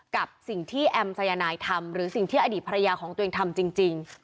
กับสิ่งที่แอมสายนายทำหรือสิ่งที่อดีตภรรยาของตัวเองทำจริง